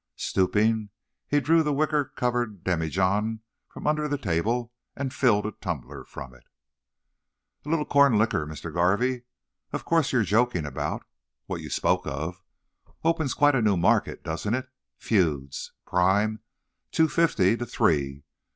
Stooping, he drew the wicker covered demijohn from under the table, and filled a tumbler from it. "A little corn liquor, Mr. Garvey? Of course you are joking about—what you spoke of? Opens quite a new market, doesn't it? Feuds. Prime, two fifty to three.